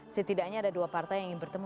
setidaknya ada dua partai yang ingin bertemu